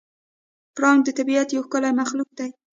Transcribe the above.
پړانګ د طبیعت یو ښکلی مخلوق دی.